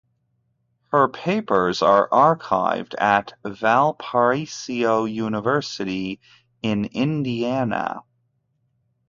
Her papers are archived at Valparaiso University in Indiana.